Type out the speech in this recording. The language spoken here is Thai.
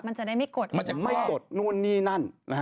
มันจะได้ไม่กดมันจะไม่กดนู่นนี่นั่นนะฮะ